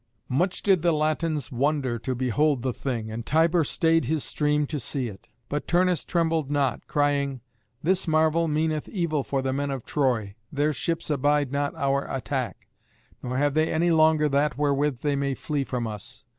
Much did the Latins wonder to behold the thing, and Tiber stayed his stream to see it. But Turnus trembled not, crying, "This marvel meaneth evil for the men of Troy. Their ships abide not our attack. Nor have they any longer that wherewith they may flee from us.